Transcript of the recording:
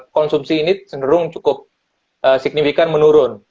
konsumsi ini cenderung cukup signifikan menurun